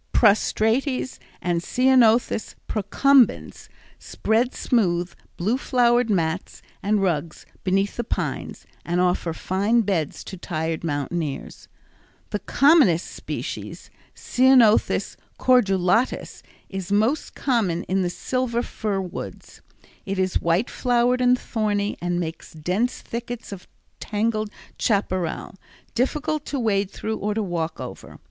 prostrates_ and C. procumbens, spread smooth, blue flowered mats and rugs beneath the pines, and offer fine beds to tired mountaineers. The commonest species, C. cordulatus, is most common in the silver fir woods. It is white flowered and thorny, and makes dense thickets of tangled chaparral, difficult to wade through or to walk over.